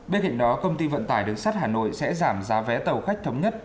bên cạnh đó công ty vận tải đường sắt hà nội sẽ giảm giá vé tàu khách thống nhất